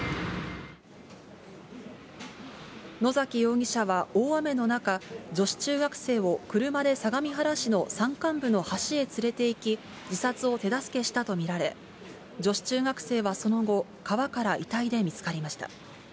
野崎容疑者は、大雨の中、女子中学生を車で相模原市の山間部の橋へ連れていき、自殺を手助けしたと見られ、女子中学生はその後、川から遺体で見つかりました。